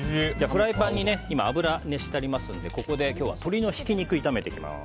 フライパンに油を熱してありますのでここで今日は鶏のひき肉を炒めていきます。